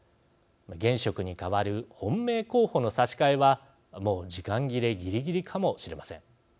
現職に代わる本命候補の差し替えはもう時間切れぎりぎりかもしれません。